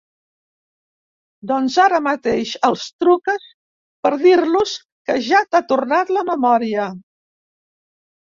Doncs ara mateix els truques per dir-los que ja t'ha tornat la memòria.